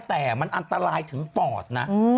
แต่มันอันตรายถึงปอดนะ